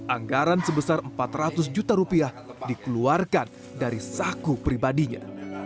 anggaran sebesar empat ratus juta rupiah dikeluarkan dari saku pribadinya